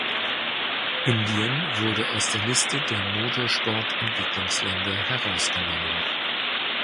Indien wurde aus der Liste der „Motorsport-Entwicklungsländer“ herausgenommen.